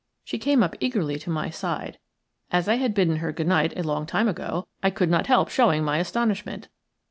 She came up eagerly to my side. As I had bidden her good night a long time ago, I could not help showing my astonishment.